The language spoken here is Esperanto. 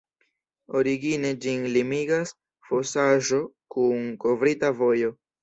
Origine ĝin limigas fosaĵo kun kovrita vojo.